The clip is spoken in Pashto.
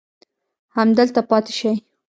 همدلته پاتې سئ.